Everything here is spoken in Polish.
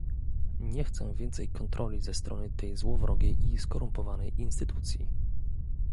Nie chcę więcej kontroli ze strony tej złowrogiej i skorumpowanej instytucji